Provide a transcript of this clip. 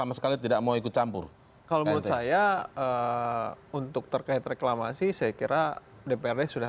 sama sekali tidak mau ikut campur kalau menurut saya untuk terkait reklamasi saya kira dprd sudah